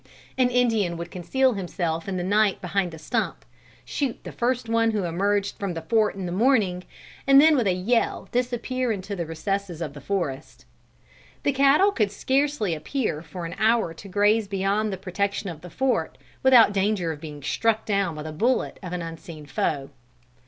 An Indian would conceal himself in the night behind a stump, shoot the first one who emerged from the fort in the morning, and then with a yell disappear in the recesses of the forest. The cattle could scarcely appear for an hour to graze beyond the protection of the fort, without danger of being struck down by the bullet of an unseen foe.